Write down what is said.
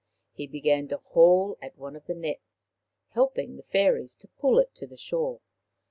He began to haul at one of the nets, helping the fairies to pull it to the shore.